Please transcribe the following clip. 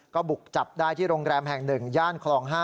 ก็บุกจับได้ที่โรงแรมแห่ง๑ย่านคลอง๕